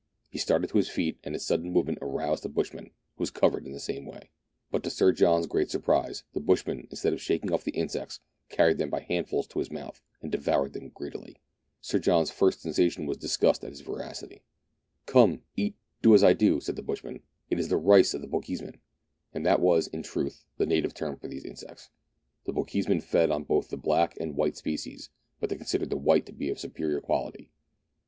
He started to his feet, and his sudden movement aroused the bushman, who was covered in the same way. But to Sir John's great surprise, the bushman, instead of shaking off the insects, carried them by handfuls to his mouth, and devoured them greedily. Sir John's first sensation was disgust at his voracity. The Rice of ihe Bochjesmen. — [Page 196.] THREE ENGLISHMEN AND THREE RUSSIANS. 1 97 "Come, eat, do as I do!" said the bushman ; "it is the rice of the Bochjesmcn." And that was, in truth, the native term for these insects. The Bochjesmen feed on both the black and white species, but they consider the white to be of superior quality.